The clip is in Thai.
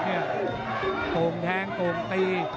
ในนี้กับมันตั้งโมงแตน